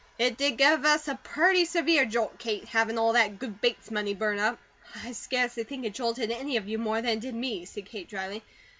It did give us a purty severe jolt, Kate, havin' all that good Bates money burn up." "I scarcely think it jolted any of you more than it did me," said Kate dryly.